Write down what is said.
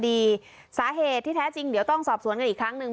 สาเหตุที่แท้จริงเดี๋ยวต้องสอบสวนกันอีกครั้งหนึ่ง